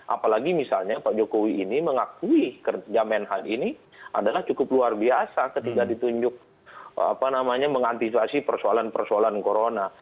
apalagi misalnya pak jokowi ini mengakui kerja menhan ini adalah cukup luar biasa ketika ditunjuk mengantisipasi persoalan persoalan corona